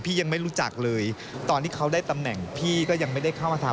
ยังไม่รู้จักเลยตอนที่เขาได้ตำแหน่งพี่ก็ยังไม่ได้เข้ามาทำ